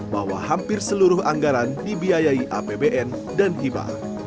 bahwa hampir seluruh anggaran dibiayai apbn dan hibah